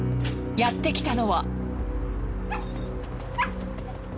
やってきたのは。